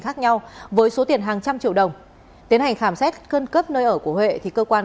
khác nhau với số tiền hàng trăm triệu đồng tiến hành khám xét cân cấp nơi ở của huệ thì cơ quan